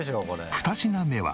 ２品目は。